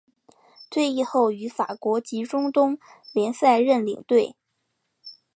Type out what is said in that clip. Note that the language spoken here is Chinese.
退役后于法国及中东联赛任领队。